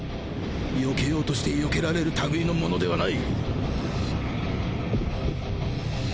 避けようとして避けられる類のものではない！